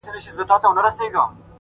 ژمن انسان د خنډونو تر شا نه دریږي,